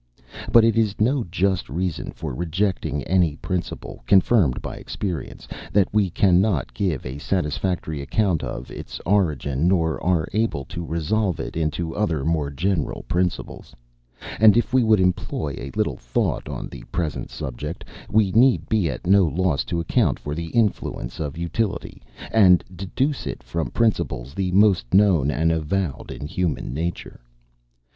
But it is no just reason for rejecting any principle, confirmed by experience, that we cannot give a satisfactory account of its origin, nor are able to resolve it into other more general principles. And if we would employ a little thought on the present subject, we need be at no loss to account for the influence of utility, and deduce it from principles the most known and avowed in human nature....